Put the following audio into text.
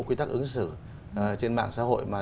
quy tắc ứng xử trên mạng xã hội mà